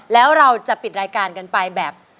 แล้วเราจะปิดรายการกันไปแบบ